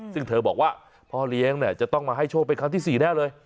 ซึ่งเธอบอกว่าพ่อเลี้ยงจะต้องมาให้โชคเป็นครั้งที่๔แน่เลย